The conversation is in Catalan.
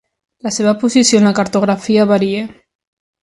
La seva posició en la cartografia varia.